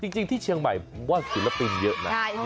จริงที่เชียงใหม่ผมว่าศิลปินเยอะนะ